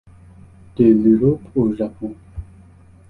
De l’Europe au Japon.